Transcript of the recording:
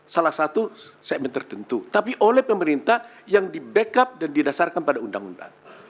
salah satu segmen tertentu tapi oleh pemerintah yang di backup dan didasarkan pada undang undang